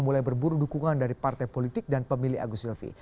mulai berburu dukungan dari partai politik dan pemilih agus silvi